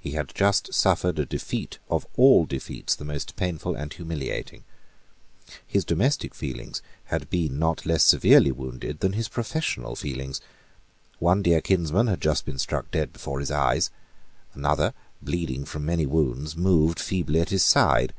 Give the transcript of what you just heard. He had just suffered a defeat of all defeats the most painful and humiliating. His domestic feelings had been not less severely wounded than his professional feelings. One dear kinsman had just been struck dead before his eyes. Another, bleeding from many wounds, moved feebly at his side.